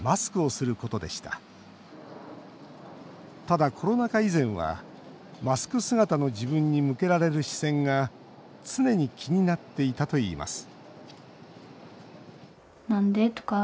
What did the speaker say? ただ、コロナ禍以前はマスク姿の自分に向けられる視線が常に気になっていたといいます